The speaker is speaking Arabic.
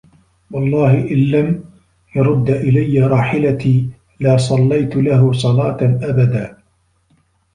وَاَللَّهِ إنْ لَمْ يَرُدَّ إلَيَّ رَاحِلَتِي لَا صَلَّيْتُ لَهُ صَلَاةً أَبَدًا